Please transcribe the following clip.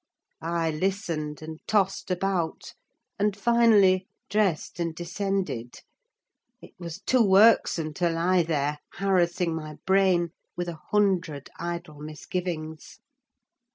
I listened, and tossed about, and, finally, dressed and descended. It was too irksome to lie there, harassing my brain with a hundred idle misgivings.